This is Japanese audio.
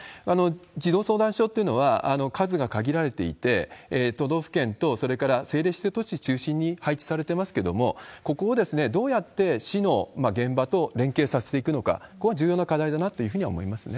児童相談所というのは、数が限られていて、都道府県と、それから政令指定都市を中心に配置されてますけれども、ここをどうやって市の現場と連携させていくのか、ここは重要な課題だなと思いますね。